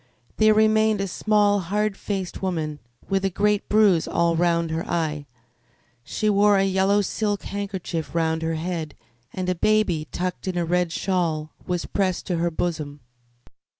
There remained a small, hard faced woman with a great bruise all round her eye. She wore a yellow silk handkerchief round her head, and a baby, tucked in a red shawl, was pressed to her bosom.